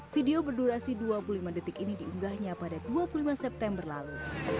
video berdurasi dua puluh lima detik ini diunggahnya pada dua puluh lima september lalu